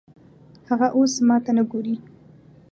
هغه اوس ماته نه ګوري